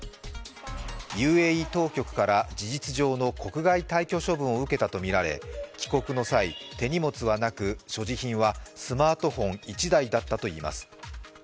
ＵＡＥ当局から事実上の国外退去処分を受けたとみられ帰国の際、手荷物はなく所持品はスマートフォン１台のみだったといいます。